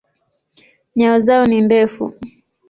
Nyayo zao ni ndefu.